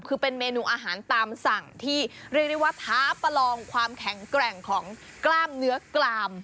คือเป็นเมนูอาหารตามสั่งที่เรียกได้ว่าท้าประลองความแข็งแกร่งของกล้ามเนื้อกลาม